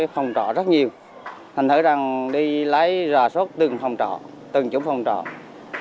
phong tỏa rất nhiều thành thức rằng đi lái rò sốt từng phong tỏa từng chỗ phong tỏa